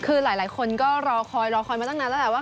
คือหลายคนก็รอคอยตั้งนานแล้วละว่า